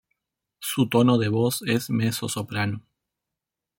Su tono de voz es Mezzosoprano.